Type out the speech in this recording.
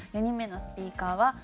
４人目のスピーカーは。